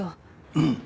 うん。